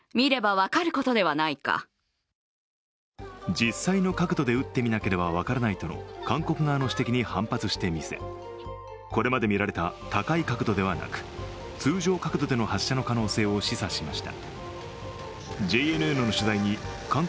実際の角度で撃ってみなければ分からないとの韓国側の指摘に反発してみせ、これまで見られた高い確度ではなく、通常角度での発射の可能性を示唆しました。